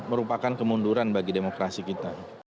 merupakan kemunduran bagi demokrasi kita